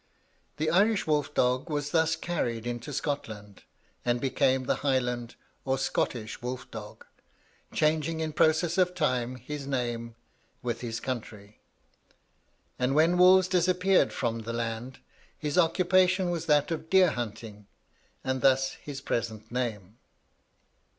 The Irish wolf dog was thus carried into Scotland, and became the Highland or Scottish wolf dog, changing in process of time his name with his country; and when wolves disappeared from the land, his occupation was that of deer hunting, and thus his present name.